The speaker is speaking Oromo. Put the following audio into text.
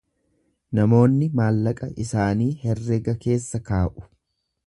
Namoonni maallaqa isaanii herrega keessa kaa’u.